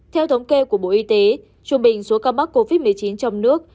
theo thống kê của bộ y tế trung bình số ca mắc covid một mươi chín trong nước